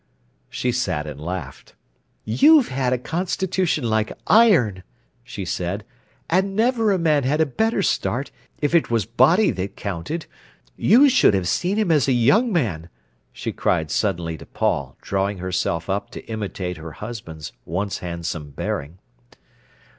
She sat and laughed. "You've had a constitution like iron," she said; "and never a man had a better start, if it was body that counted. You should have seen him as a young man," she cried suddenly to Paul, drawing herself up to imitate her husband's once handsome bearing.